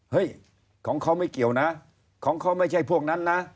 ของเขาไม่เกี่ยวนะของเขาไม่ใช่พวกนั้นนะ